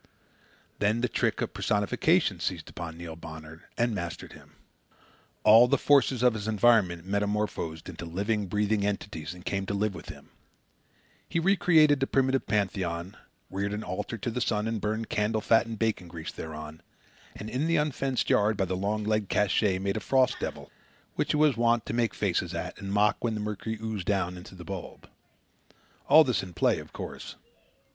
Then the trick of personification seized upon Neil Bonner and mastered him. All the forces of his environment metamorphosed into living, breathing entities and came to live with him. He recreated the primitive pantheon; reared an altar to the sun and burned candle fat and bacon grease thereon; and in the unfenced yard, by the long legged cache, made a frost devil, which he was wont to make faces at and mock when the mercury oozed down into the bulb. All this in play, of course.